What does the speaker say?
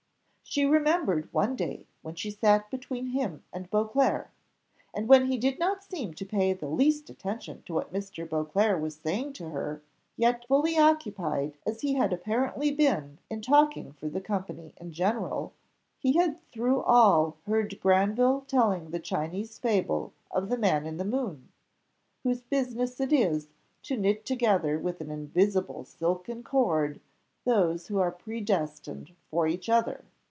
She remembered one day when she sat between him and Beauclerc, and when he did not seem to pay the least attention to what Mr. Beauclerc was saying to her, yet fully occupied as he had apparently been in talking for the company in general, he had through all heard Granville telling the Chinese fable of the "Man in the Moon, whose business it is to knit together with an invisible silken cord those who are predestined for each other."